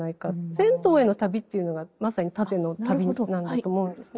銭湯への旅っていうのがまさに縦の旅なんだと思うんですね。